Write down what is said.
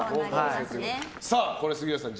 これ、杉浦さん